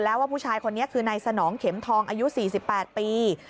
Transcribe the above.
แล้วว่าผู้ชายคนนี้คือนายสนองเข็มทองอายุ๔๘ปี